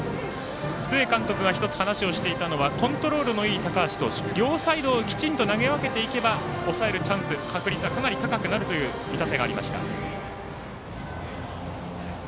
須江監督が１つ話をしていたのがコントロールのいい高橋投手両サイドをきちんと投げ分けていけば抑えるチャンス、確率は高くなるという見立てがありました。